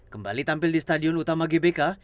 kembali tampil di stadion utama gbk